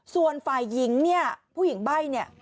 ส่วนฝ่ายยิงพุ่งหญิงใส๊เนี่ย